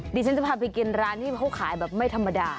ดิฉันจะพาไปกินร้านที่เขาขายแบบไม่ธรรมดา